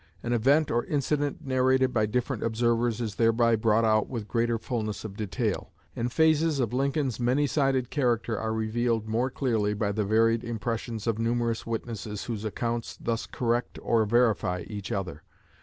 An event or incident narrated by different observers is thereby brought out with greater fulness of detail; and phases of Lincoln's many sided character are revealed more clearly by the varied impressions of numerous witnesses whose accounts thus correct or verify each other.